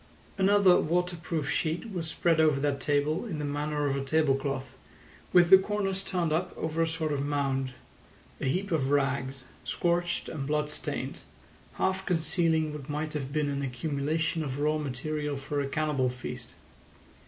Another waterproof sheet was spread over that table in the manner of a table cloth, with the corners turned up over a sort of mound—a heap of rags, scorched and bloodstained, half concealing what might have been an accumulation of raw material for a cannibal feast.